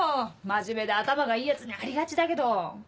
真面目で頭がいいヤツにありがちだけど。